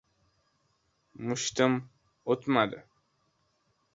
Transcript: Mushtim o‘tmadi.